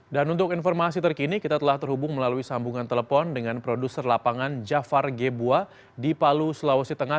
dan untuk informasi terkini kita telah terhubung melalui sambungan telepon dengan produser lapangan jafar gebuah di palu sulawesi tengah